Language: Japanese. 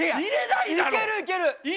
いけるいける！